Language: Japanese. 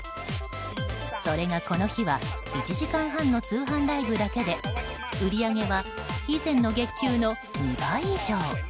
それが、この日は１時間半の通販ライブだけで売り上げは以前の月給の２倍以上。